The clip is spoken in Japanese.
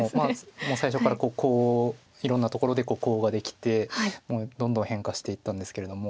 もう最初からいろんなところでコウができてどんどん変化していったんですけれども。